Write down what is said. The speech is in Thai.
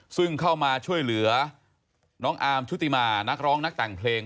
ซึ่งเข้ามาช่วยเหลือน้องอาร์มชุติมานักร้องนักแต่งเพลง